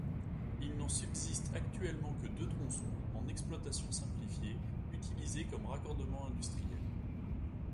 Il n'en subsiste actuellement que deux tronçons, en exploitation simplifiée, utilisés comme raccordements industriels.